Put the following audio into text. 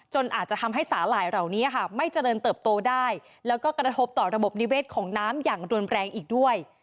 อาจจะทำให้สาหร่ายเหล่านี้ค่ะไม่เจริญเติบโตได้แล้วก็กระทบต่อระบบนิเวศของน้ำอย่างรุนแรงอีกด้วย